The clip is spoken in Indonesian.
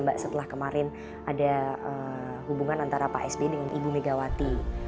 ini sih mbak setelah kemarin ada hubungan antara pak sbi dengan ibu megawati